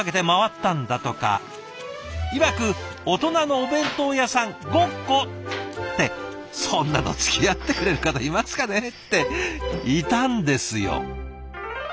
いわく「大人のお弁当屋さん“ごっこ”」。ってそんなのつきあってくれる方いますかね？っていたんですよ。